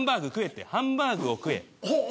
ハンバーグを食え。